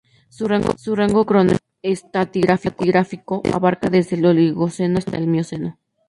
Su rango cronoestratigráfico abarca desde el Oligoceno superior hasta el Mioceno.